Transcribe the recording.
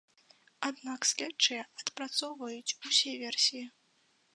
Аднак следчыя адпрацоўваюць усе версіі.